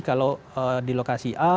kalau di lokasi a